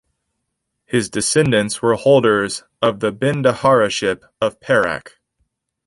His descendants were holders of the Bendaharaship of Perak.